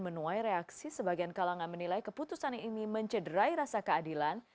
menuai reaksi sebagian kalangan menilai keputusan ini mencederai rasa keadilan